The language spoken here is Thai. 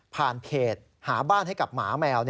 เพจหาบ้านให้กับหมาแมว